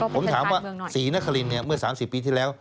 ผมถามว่าศรีนครินเมื่อ๓๐ปีที่แล้ว